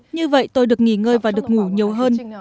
như vậy tôi được nghỉ ngơi và được ngủ nhiều hơn